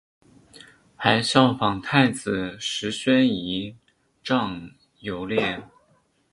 还仿效太子石宣仪仗游猎。